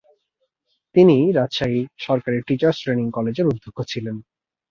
তিনি রাজশাহী সরকারি teachers training কলেজের অধ্যক্ষ ছিলেন।